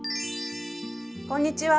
こんにちは。